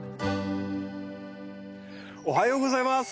おはようございます。